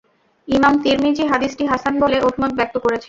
ইমাম তিরমিযী হাদীসটি হাসান বলে অভিমত ব্যক্ত করেছেন।